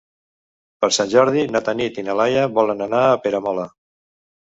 Per Sant Jordi na Tanit i na Laia volen anar a Peramola.